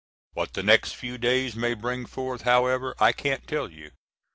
What the next few days may bring forth, however, I can't tell you.